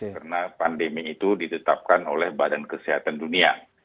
karena pandemi itu ditetapkan oleh badan kesehatan dunia